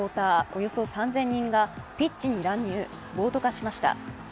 およそ３０００人がピッチに乱入、暴徒化しました。